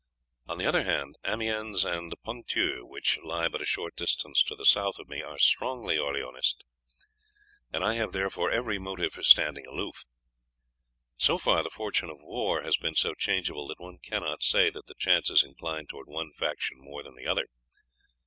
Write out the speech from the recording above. On the other hand, Amiens and Ponthieu, which lie but a short distance to the south of me, are strongly Orleanist, and I have therefore every motive for standing aloof. So far the fortune of war has been so changeable that one cannot say that the chances incline towards one faction more than the other.